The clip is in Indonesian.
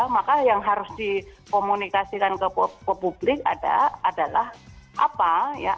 maka yang harus dikomunikasikan ke publik adalah apa ya